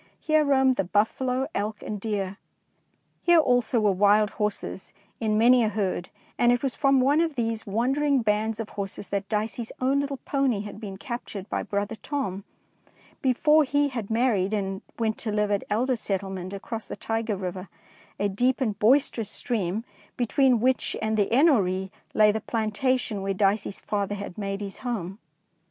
Here roamed the buffalo, elk, and deer. Here also were wild horses in many a herd, and it was from one of these wandering bands of horses that Dicey^s own little pony had been captured by brother Tom, before he 223 DEEDS OF DAEING married and went to live at ''Elder Settlement across the Tyger Kiver, a deep and boisterous stream, between which and the Enoree lay the planta tion where Dicey's father had made his home.